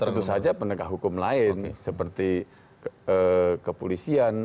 tentu saja penegak hukum lain seperti kepolisian